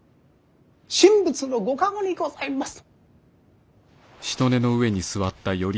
神仏のご加護にございます。